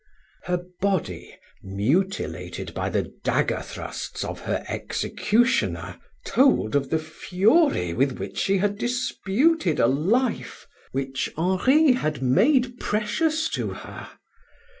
Her body, mutilated by the dagger thrusts of her executioner, told of the fury with which she had disputed a life which Henri had made precious to her.